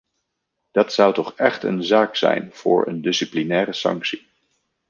Dat zou toch echt een zaak zijn voor een disciplinaire sanctie.